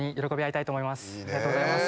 ありがとうございます。